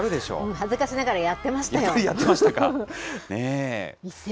恥ずかしながら、やってましたよ。